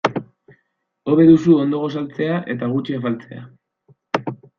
Hobe duzu ondo gosaltzea eta gutxi afaltzea.